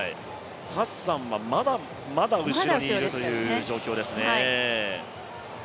ハッサンはまだまだ後ろにいるという状況ですね。